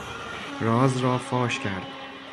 راز را فاش کرد.